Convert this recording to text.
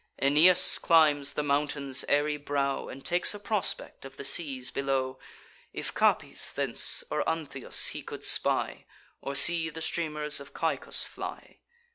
Aeneas climbs the mountain's airy brow, And takes a prospect of the seas below, If Capys thence, or Antheus he could spy, Or see the streamers of Caicus fly.